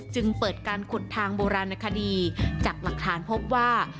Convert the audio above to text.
จึงเปิดการขุดทางโบราณคดีจากหลักฐานพบว่า